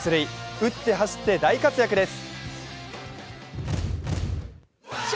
打って走って大活躍です。